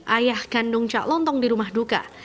ayah kandung cak lontong di rumah duka